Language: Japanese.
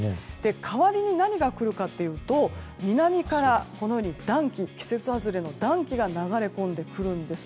代わりに何が来るかというと南から季節外れの暖気が流れ込んでくるんです。